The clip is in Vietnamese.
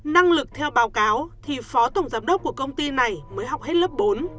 năng lực theo báo cáo thì phó tổng giám đốc của công ty này mới học hết lớp bốn